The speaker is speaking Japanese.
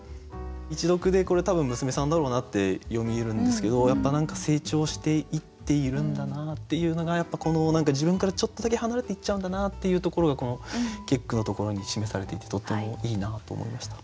一読でこれ多分娘さんだろうなって読み得るんですけどやっぱ何か成長していっているんだなっていうのが自分からちょっとだけ離れていっちゃうんだなっていうところがこの結句のところに示されていてとってもいいなと思いました。